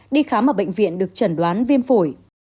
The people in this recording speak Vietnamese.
đi khám ở bệnh viện được chẩn đoán viêm phổi